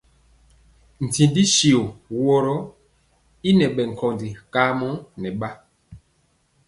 Ntindi tyio woro y ŋɛ bɛ nkóndi kamɔ nɛ ba.